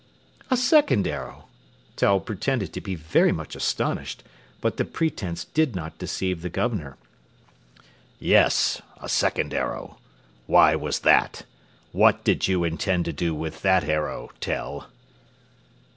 "A second arrow!" Tell pretended to be very much astonished, but the pretence did not deceive the Governor. "Yes, a second arrow. Why was that? What did you intend to do with that arrow, Tell?"